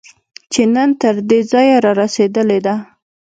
چې نن تر دې ځایه رارسېدلې ده